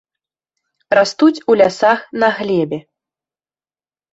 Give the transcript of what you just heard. Растуць у лясах на глебе.